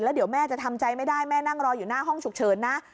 เดี๋ยวแม่จะทำใจไม่ได้แม่นั่งรออยู่หน้าห้องฉุกเฉินนะ